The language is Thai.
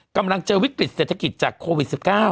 กำลังเจอวิกฤตเศรษฐกิจจากโควิด๑๙